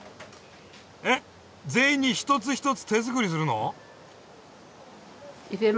え全員に１つ１つ手作りするの？